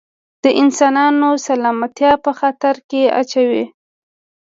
د انسانانو سلامتیا په خطر کې اچوي.